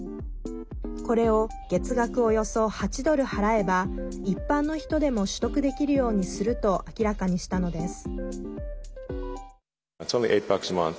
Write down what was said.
これを月額およそ８ドル払えば一般の人でも取得できるようにすると明らかにしたのです。